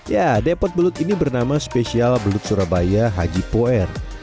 ya depot belut ini bernama spesial belut surabaya haji poir